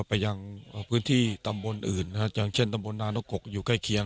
ไปยังพื้นที่ตำบลอื่นนะฮะอย่างเช่นตำบลนานกกอยู่ใกล้เคียง